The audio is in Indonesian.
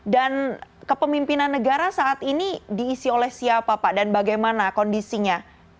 dan kepemimpinan negara saat ini diisi oleh siapa pak dan bagaimana kondisinya